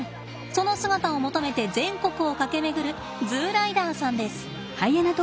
その姿を求めて全国を駆け巡るＺＯＯライダーさんです。